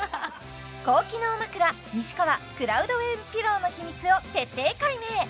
高機能枕西川クラウドウェーブピローの秘密を徹底解明